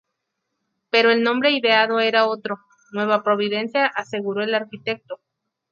Pero el nombre ideado era otro, Nueva Providencia", aseguró el arquitecto.